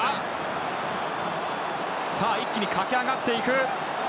一気に駆け上がっていく。